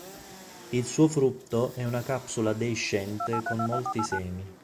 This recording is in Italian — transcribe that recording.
Il suo frutto è una capsula deiscente con molti semi.